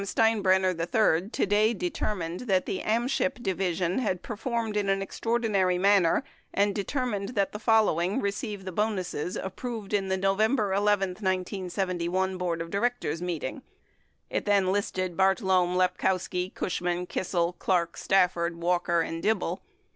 Steinbrenner III today determined that the Amship division had performed in an extraordinary manner and determined that the following receive the bonuses approved in the November 11, 1971, board of directors meet ing. 223 It listed Bartlome, Lepkowski, Cushman, Kissel, Clark, Stafford, Walker, and Dibble.